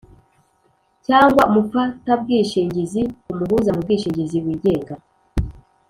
cyangwa umufatabwishingizi ku muhuza mu bwishingizi wigenga;